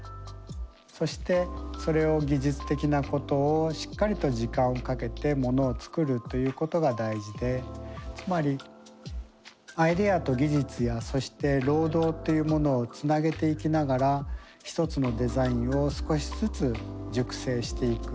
そしてそれを技術的なことをしっかりと時間をかけてものを作るということが大事でつまりアイデアと技術やそして労働というものをつなげていきながら一つのデザインを少しずつ熟成していく。